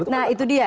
nah itu dia